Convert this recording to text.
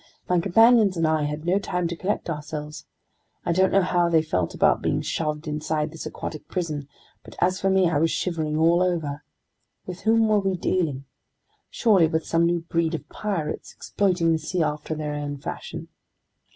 My companions and I had no time to collect ourselves. I don't know how they felt about being shoved inside this aquatic prison, but as for me, I was shivering all over. With whom were we dealing? Surely with some new breed of pirates, exploiting the sea after their own fashion.